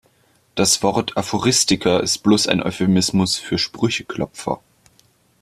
Das Wort Aphoristiker ist bloß ein Euphemismus für Sprücheklopfer.